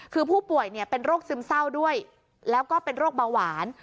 คือผู้ป่วยเป็นโรคซึมเศร้าด้วยแล้วก็เป็นโรคเบาหวาน